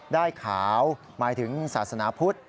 ได้ขาวหมายถึงศาสนาพุทธ